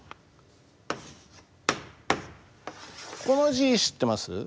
この字知ってます？